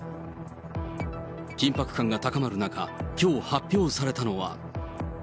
緊迫感が高まる中、きょう発表されたのは。